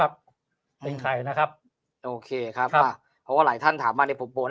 เป็นใครนะครับโอเคครับเพราะว่าหลายท่านถามมาในภูเวิร์ดเลย